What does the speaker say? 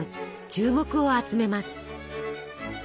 注目を集めます。